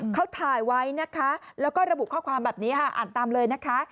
เขาถ่ายไว้นะคะแล้วก็ระบุข้อความแบบนี้ค่ะอ่านตามเลยนะคะ